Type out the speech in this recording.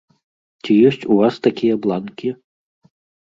Ці ёсць у вас такія бланкі?